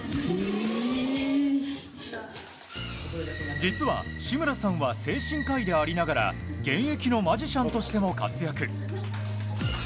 実は、志村さんは精神科医でありながら現役のマジシャンとしても活躍。